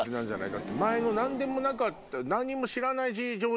だって前の何でもなかった。